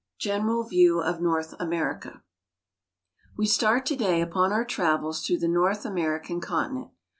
GENERAL VIEW OF NORTH AMERICA. WE start to da}^ upon our travels through the North American continent.